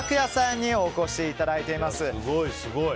ＴＡＫＵＹＡさんにお越しいただいています。